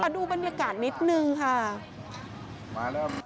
ดูบรรยากาศนิดนึงค่ะ